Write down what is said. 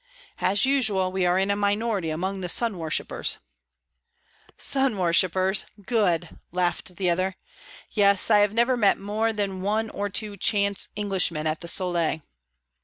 "As usual, we are in a minority among the sun worshippers." "Sun worshippers! Good!" laughed the other. "Yes, I have never met more than one or two chance Englishmen at the 'Sole.'"